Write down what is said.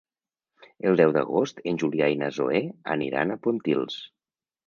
El deu d'agost en Julià i na Zoè aniran a Pontils.